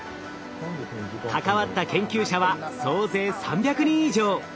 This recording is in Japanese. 関わった研究者は総勢３００人以上。